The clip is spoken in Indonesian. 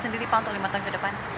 sendiri pak untuk lima tahun ke depan